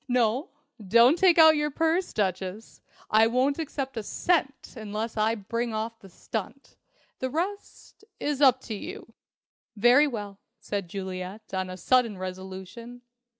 No, don't take out your purse, Duchess! I won't accept a cent unless I bring off the stunt. The rest is up to you." "Very well," said Juliet on a sudden resolution.